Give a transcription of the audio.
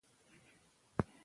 ځينې وخت داسې فکر کوم .